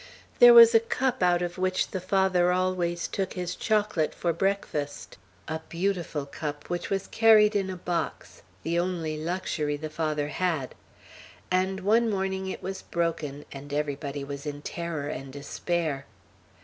There was a cup out of which the Father always took his chocolate for breakfast, a beautiful cup, which was carried in a box, the only luxury the Father had; and one morning it was broken, and everybody was in terror and despair.